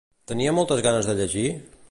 Tenia moltes ganes de llegir?